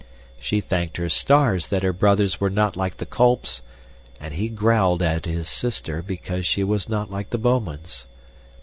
She thanked her stars that her brothers were not like the Kolps, and he growled at his sister because she was not like the Boumans.